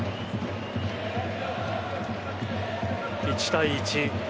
１対１。